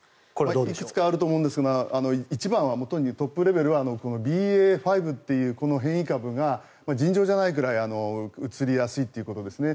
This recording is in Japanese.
いくつかあると思いますが一番、トップレベルはＢＡ．５というこの変異株が尋常じゃないぐらいうつりやすいということですね。